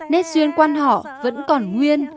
nét duyên quan họ vẫn còn nguyên